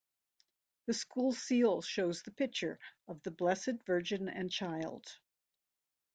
The school seal shows the picture of the Blessed Virgin and Child.